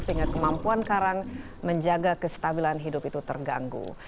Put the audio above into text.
sehingga kemampuan karang menjaga kestabilan hidup itu terganggu